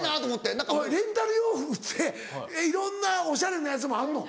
レンタル洋服っていろんなおしゃれなやつもあるの？